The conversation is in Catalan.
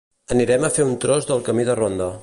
Anirem a fer un tros del camí de ronda